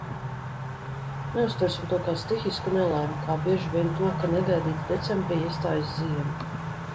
Neuztversim to kā stihisku nelaimi, kā bieži vien to, ka negaidīti decembrī iestājas ziema!